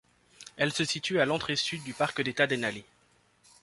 Elle se situe à l'entrée sud du Parc d'État Denali.